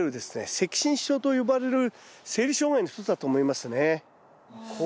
赤芯症と呼ばれる生理障害の一つだと思いますね。